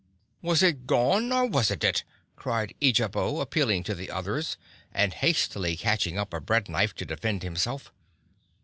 "Was it gone or wasn't it?" cried Eejabo, appealing to the others and hastily catching up a bread knife to defend himself.